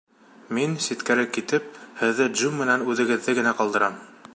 Мин, ситкәрәк китеп, һеҙҙе Джим менән үҙегеҙҙе генә ҡалдырам.